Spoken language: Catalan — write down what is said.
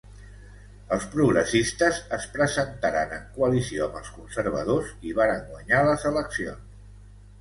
Els Progressistes es presentaren en coalició amb els conservadors i varen guanyar les eleccions.